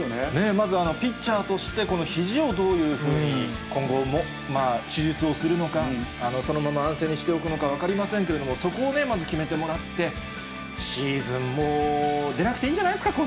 まずピッチャーとしてこのひじをどういうふうに、今後、手術をするのか、そのまま安静にしておくのか分かりませんけれども、そこをね、まず決めてもらって、シーズン、もう出なくていいんじゃないんですか？